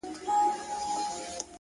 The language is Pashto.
څوک ده چي راګوري دا و چاته مخامخ يمه!!